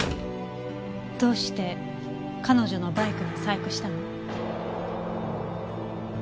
どうして彼女のバイクに細工したの？